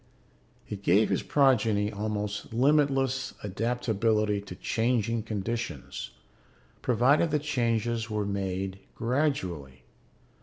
It gave his progeny almost limitless adaptability to changing conditions, provided the changes were made gradually.